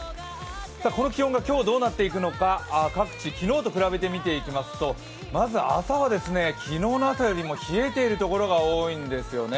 この気温が今日どうなっていくのか、各地昨日と比べて見てみますと朝は昨日の朝よりも冷えている所が多いんですね。